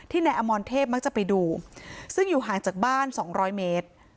นายอมรเทพมักจะไปดูซึ่งอยู่ห่างจากบ้าน๒๐๐เมตร